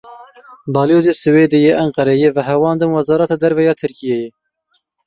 Balyozê Swêdê yê Enqereyê vehewandin Wezareta Derve ya Tirkiyeyê.